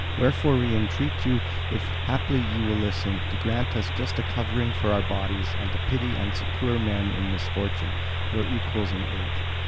Wherefore we entreat you, if haply ye will listen, to grant us just a covering for our bodies, and to pity and succour men in misfortune, your equals in age.